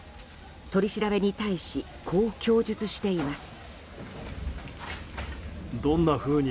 取り調べに対しこう供述しています。